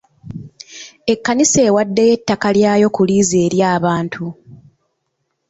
Ekkanisa ewaddeyo ettaka lyayo ku liizi eri abantu.